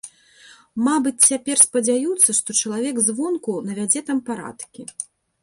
Мабыць, цяпер спадзяюцца, што чалавек звонку навядзе там парадкі.